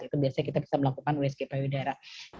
itu biasanya kita bisa melakukan rezeki payudara